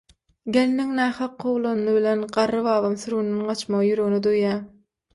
Gelniniň nähak kowlanyny bilen garry babam sürgünden gaçmagy ýüregine düwýär